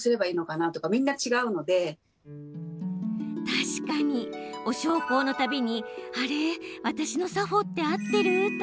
確かに、お焼香のたびにあれ、私の作法ってあってる？